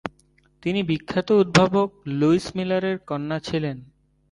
তিনি বিখ্যাত উদ্ভাবক লুইস মিলারের কন্যা ছিলেন।